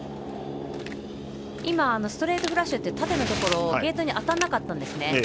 ストレートフラッシュって縦のところ、ゲートに当たらなかったんですね。